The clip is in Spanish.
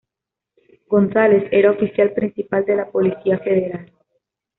González era Oficial Principal de la Policía Federal.